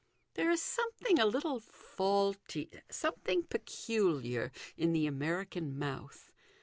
There is something a little faulty, something peculiar, in the American mouth.